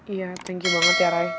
iya thank you banget ya rai